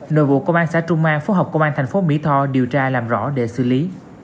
nội vụ công an xã trung an phối hợp công an thành phố mỹ tho điều tra làm rõ để xử lý